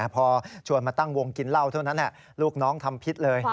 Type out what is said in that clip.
พอชวนมาตั้งวงกินเหล้าเท่านั้นลูกน้องทำพิษเลย